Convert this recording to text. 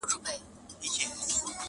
زه مي خپل جنون له هر کاروان څخه شړلی یم -